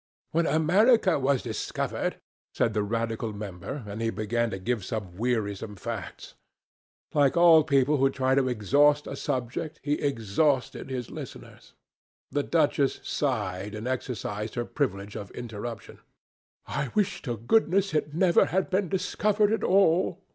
"When America was discovered," said the Radical member—and he began to give some wearisome facts. Like all people who try to exhaust a subject, he exhausted his listeners. The duchess sighed and exercised her privilege of interruption. "I wish to goodness it never had been discovered at all!"